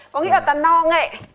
có nghĩa là ta no nghệ